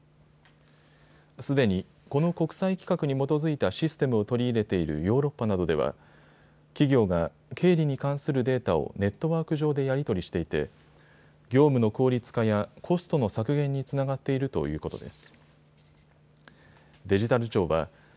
すでにこの国際規格に基づいたシステムを取り入れているヨーロッパなどでは企業が経理に関するデータをネットワーク上でやり取りしていて業務の効率化やコストの削減につながっているということです。